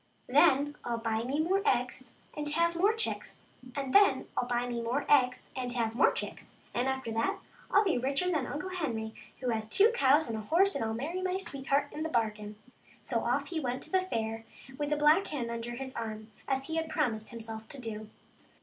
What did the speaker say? Then Til buy me more eggs and have more chicks, and then Til buy me more eggs and have more chicks, and after that I'll be richer than Uncle Henry, who has two cows and a horse, and will marry my sweetheart into the bargain." So off he went to the fair with the black hen under his arm, as he had promised himself to do.